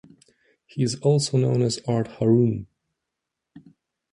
He is also known as Art Harun.